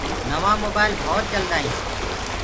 نوآ مونآئيل بوت چلدآ هينٚ